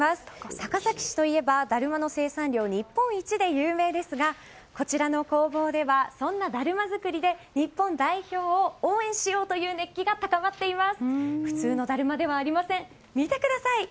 高崎市といえばだるまの生産量日本一で有名ですが、こちらの工房ではそんなだるま作りで日本代表を応援しようという熱気が高まっています。